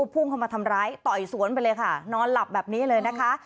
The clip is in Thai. พุ่งเข้ามาทำร้ายต่อยสวนไปเลยค่ะนอนหลับแบบนี้เลยนะคะ